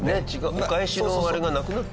お返しのあれがなくなって。